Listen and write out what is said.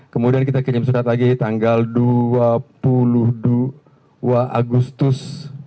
kemudian kita kirim surat lagi tanggal dua puluh dua agustus